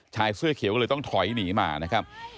ชายเสื้อเขียวก็เลยต้องถอยหนีมานะครับ